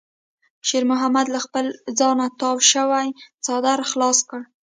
شېرمحمد له خپل ځانه تاو شوی څادر خلاص کړ.